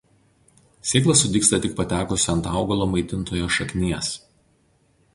Sėkla sudygsta tik patekusi ant augalo maitintojo šaknies.